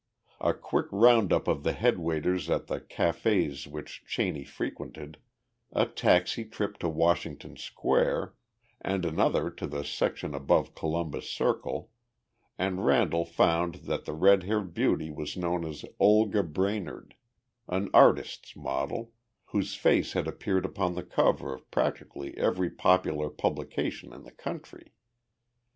A quick round up of the head waiters at the cafés which Cheney frequented, a taxi trip to Washington Square and another to the section above Columbus Circle, and Randall found that the red haired beauty was known as Olga Brainerd, an artist's model, whose face had appeared upon the cover of practically every popular publication in the country.